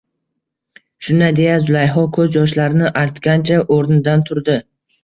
Shunday deya Zulayho ko`z yoshlarini artgancha o`rnidan turdi